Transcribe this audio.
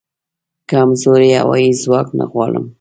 کمزوری هوایې ځواک نه غواړم